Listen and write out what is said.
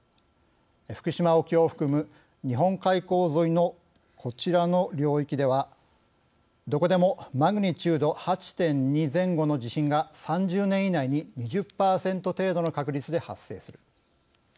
福島沖を含む日本海溝沿いのこちらの領域ではどこでもマグニチュード８．２前後の地震が３０年以内に２０％程度の確率で発生する。